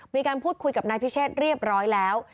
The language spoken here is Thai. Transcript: มีการพูดคุยกับนายพิเชษเรียบร้อยแล้ว